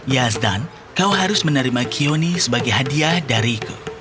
yazdan kau harus menerima kioni sebagai hadiah dariku